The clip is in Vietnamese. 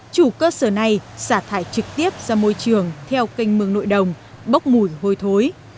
chủ cơ sở này xả thải trực tiếp ra môi trường theo kênh mương nội đồng bốc mùi hôi thối